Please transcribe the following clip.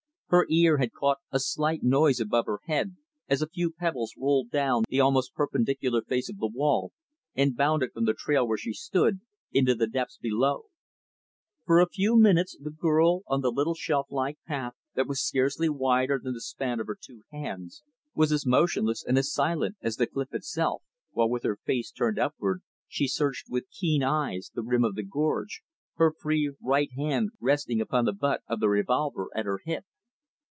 Her ear had caught a slight noise above her head, as a few pebbles rolled down the almost perpendicular face of the wall and bounded from the trail where she stood, into the depths below. For a few minutes, the girl, on the little, shelf like path that was scarcely wider than the span of her two hands, was as motionless and as silent as the cliff itself; while, with her face turned upward, she searched with keen eyes the rim of the gorge; her free, right hand resting upon the butt of the revolver at her hip.